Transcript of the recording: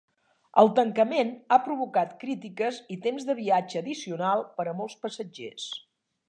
El tancament ha provocat crítiques i temps de viatge addicional per a molts passatgers.